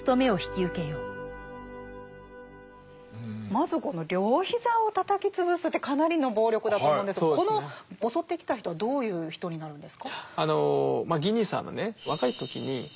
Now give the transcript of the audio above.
まずこの両膝をたたき潰すってかなりの暴力だと思うんですがこの襲ってきた人はどういう人になるんですか？